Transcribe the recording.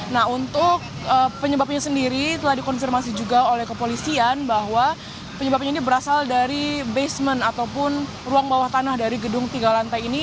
nah untuk penyebabnya sendiri telah dikonfirmasi juga oleh kepolisian bahwa penyebabnya ini berasal dari basement ataupun ruang bawah tanah dari gedung tiga lantai ini